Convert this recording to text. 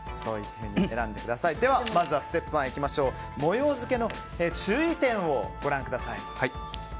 まずはステップ１模様付けの注意点をご覧ください。